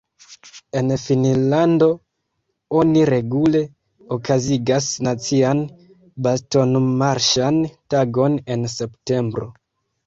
En Finnlando oni regule okazigas nacian bastonmarŝan tagon en septembro.